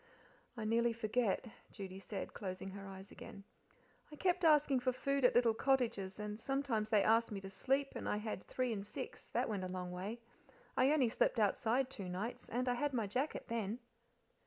"I nearly forget," Judy said; closing her eyes again. "I kept asking for food at little cottages, and sometimes they asked me to sleep, and I had three and six that went a long way. I only slept outside two nights, and I had my jacket then."